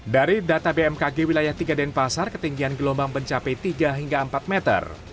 dari data bmkg wilayah tiga denpasar ketinggian gelombang mencapai tiga hingga empat meter